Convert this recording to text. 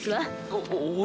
お俺？